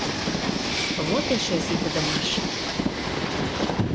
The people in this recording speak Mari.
Вот эше ситыдымаш...